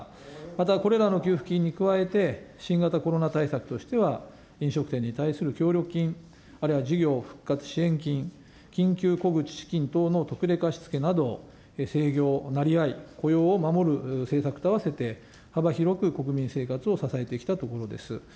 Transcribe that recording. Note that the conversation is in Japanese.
また、これらの給付金に加えて、新型コロナ対策としては、飲食店に対する協力金、あるいは事業復活支援金、緊急小口資金等の特例貸付など、生業、なりわい、雇用を守る政策とあわせて、幅広く国民生活を支えてきたところです。